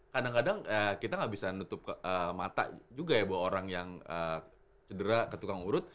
kadang kadang kita nggak bisa nutup mata juga ya buat orang yang cedera ke tukang urut